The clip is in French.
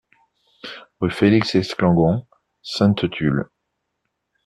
Rue Felix Esclangon, Sainte-Tulle